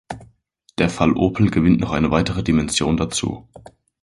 Der Fall Opel gewinnt noch eine weitere Dimension dazu.